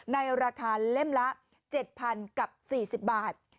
ในราคาเล่มละ๗๐๐กับ๔๐บาท